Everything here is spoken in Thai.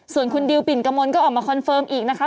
ส่วนคุณดิวปิ่นกระมนก็ออกมาคอนเฟิร์มอีกนะคะ